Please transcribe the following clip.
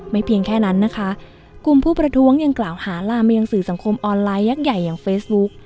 เพียงแค่นั้นนะคะกลุ่มผู้ประท้วงยังกล่าวหาลามายังสื่อสังคมออนไลน์ยักษ์ใหญ่อย่างเฟซบุ๊ก